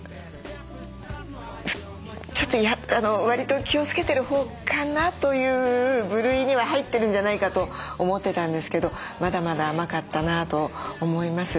ちょっとわりと気をつけてるほうかなという部類には入ってるんじゃないかと思ってたんですけどまだまだ甘かったなと思います。